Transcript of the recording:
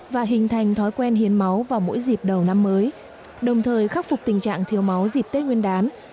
và hình thành thói quen hiến máu vào mỗi dịp đầu năm mới đồng thời khắc phục tình trạng thiếu máu dịp tết nguyên đán